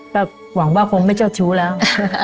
ก็หวังว่าคงไม่เจ้าชู้แล้ว